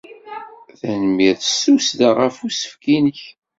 Tanemmirt s tussda ɣef usefk-nnek.